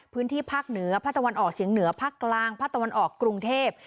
พื้นที่ภาคเหนือภาคตะวันออกเฉียงเหนือภาคกลางภาคตะวันออกกรุงเทพ